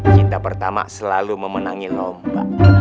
cinta pertama selalu memenangi lomba